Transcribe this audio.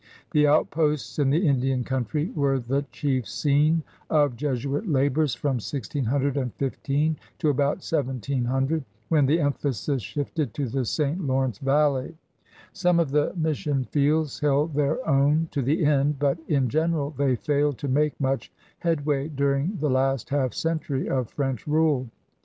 The outposts in the In dian coimtry were the chief scene of Jesuit labors from 1615 to about 1700, when the emphasis shifted to the St. Lawrence valley. Some of the mission fields held their own to the end, but in general they failed to make much headway during the last half century of French rule.